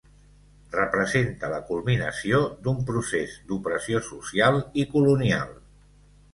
Representà la culminació d'un procés d'opressió social i colonial.